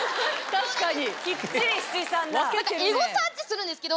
確かに。